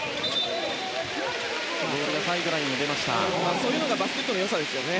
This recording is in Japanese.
そういうのがバスケットのよさですよね。